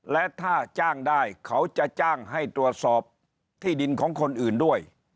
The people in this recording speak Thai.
และถ้าจ้างได้เขาจะจ้างให้ตรวจสอบที่ดินของคนอื่นด้วย